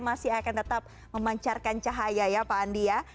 masih akan tetap memancarkan cahaya ya pak andi ya